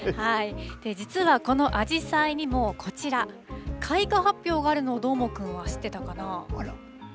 実はこのアジサイにも、こちら、開花発表があるのをどーもくんは知ってたかな。